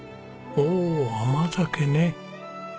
おお甘酒ね。